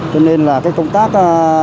cho nên là các công tác